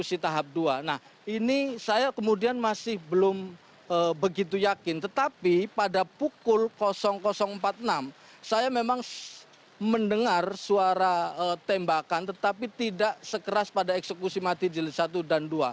nah ini saya kemudian masih belum begitu yakin tetapi pada pukul empat puluh enam saya memang mendengar suara tembakan tetapi tidak sekeras pada eksekusi mati jilid satu dan dua